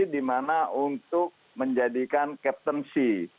karena untuk menjadikan captain c